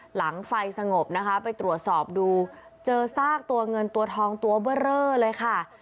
หลังไฟสงบนะคะไปตรวจสอบดูเจอซากตัวเงินตัวทองตัวเบอร์เรอเลยค่ะ